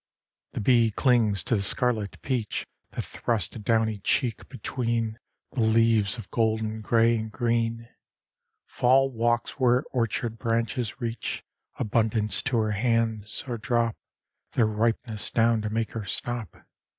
The bee clings to the scarlet peach, That thrusts a downy cheek between The leaves of golden gray and green; Fall walks where orchard branches reach Abundance to her hands, or drop Their ripeness down to make her stop.